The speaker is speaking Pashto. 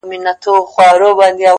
• زما خوښيږي پر ماگران دى د سين تـورى ـ